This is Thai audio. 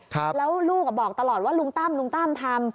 แล้วลูกบอกตลอดว่าลุงตั้มทำ